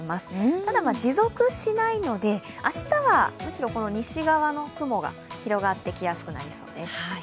ただ、持続しないので、明日はむしろ西側の雲が広がってきやすくなりそうです。